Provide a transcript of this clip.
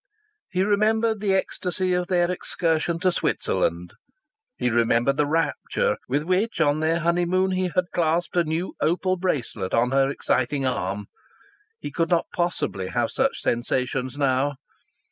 He remembered the ecstasy of their excursion to Switzerland. He remembered the rapture with which, on their honeymoon, he had clasped a new opal bracelet on her exciting arm. He could not possibly have such sensations now.